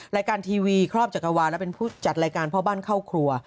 รายการทีวีครอบจักรวาลและเป็นผู้จัดรายการพ่อบ้านเข้าครัว